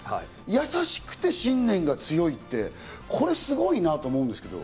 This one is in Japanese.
優しくて信念が強いって、これすごいなと思うんですけど。